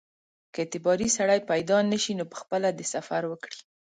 که اعتباري سړی پیدا نه شي نو پخپله دې سفر وکړي.